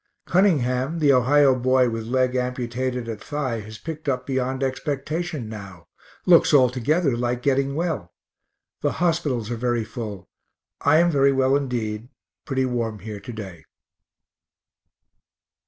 Cunningham, the Ohio boy with leg amputated at thigh, has picked up beyond expectation now! looks altogether like getting well. The hospitals are very full. I am very well indeed pretty warm here to day.